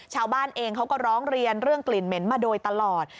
ชาวบ้านเองเขาก็ร้องเรียนเรื่องกลิ่นเหม็นมาโดยตลอด